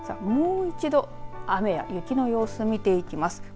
もう一度、雨や雪の様子を見ていきます。